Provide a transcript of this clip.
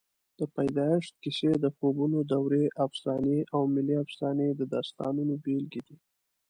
د پیدایښت کیسې، د خوبونو دورې افسانې او ملي افسانې د داستانونو بېلګې دي.